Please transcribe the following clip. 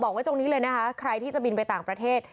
ไว้ตรงนี้เลยนะคะใครที่จะบินไปต่างประเทศ